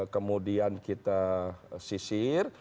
kemudian kita sisir